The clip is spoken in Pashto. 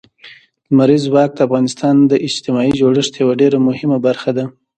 لمریز ځواک د افغانستان د اجتماعي جوړښت یوه ډېره مهمه برخه ده.